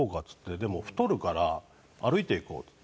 でも、太るから歩いて行こうって。